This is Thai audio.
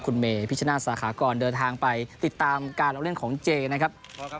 คุณเมพิชนาธิสาขากรเดินทางไปติดตามการลงเล่นของเจนะครับ